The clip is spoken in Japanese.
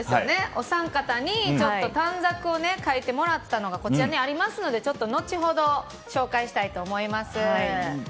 お三方に短冊書いてもらったのがこちらにありますのでちょっと後ほど紹介したいと思います。